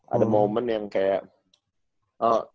ada momen yang kayak